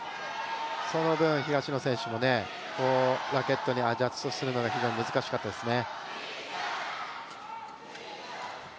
その分、東野選手もラケットにアジャストするのが非常に難しかったですね。